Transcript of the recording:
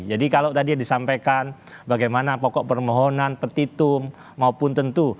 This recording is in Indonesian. jadi kalau tadi disampaikan bagaimana pokok permohonan petitum maupun tentu